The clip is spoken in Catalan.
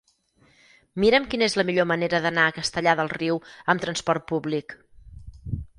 Mira'm quina és la millor manera d'anar a Castellar del Riu amb trasport públic.